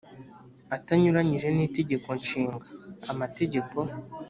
Atanyuranyije n itegeko nshinga amategeko